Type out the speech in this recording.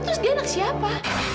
terus dia anak siapa